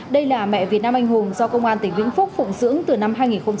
đây là mẹ việt nam anh hùng do công an tỉnh vĩnh phúc phụng dưỡng từ năm hai nghìn bốn